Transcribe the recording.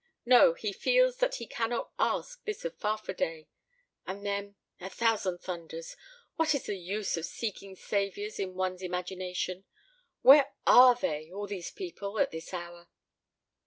No, he feels that he cannot ask this of Farfadet. And then a thousand thunders! what is the use of seeking saviors in one's imagination? Where are they, all these people, at this hour?